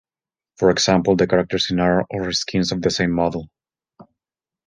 For example the characters in are all reskins of the same model.